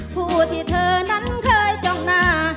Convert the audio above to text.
ผู้ที่เธอนั้นเคยจ้องหน้า